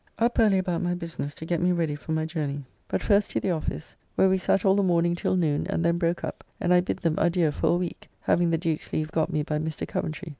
Up early about my business to get me ready for my journey. But first to the office; where we sat all the morning till noon, and then broke up; and I bid them adieu for a week, having the Duke's leave got me by Mr. Coventry.